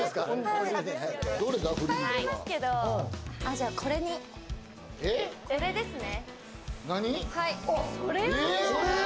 じゃあこれに、これですね。